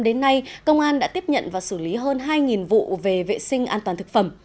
đến nay công an đã tiếp nhận và xử lý hơn hai vụ về vệ sinh an toàn thực phẩm